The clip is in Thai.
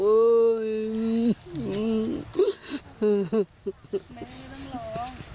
เฮ้ยยยยไม่ได้ยินหรอ